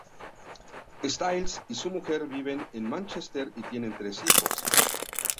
Stiles y su mujer viven en Mánchester y tienen tres hijos.